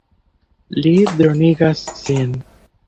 Li dronigas sin.